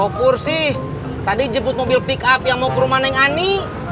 oh kursi tadi jemput mobil pick up yang mau ke rumah neng ani